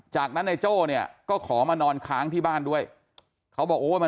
จากนั้นนายโจ้เนี่ยก็ขอมานอนค้างที่บ้านด้วยเขาบอกโอ้มัน